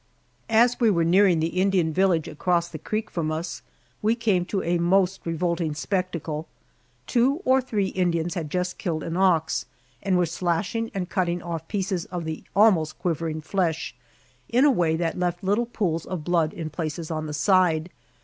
As we were nearing the Indian village across the creek from us, we came to a most revolting spectacle. Two or three Indians had just killed an ox, and were slashing and cutting off pieces of the almost quivering flesh, in a way that left little pools of blood in places on the side.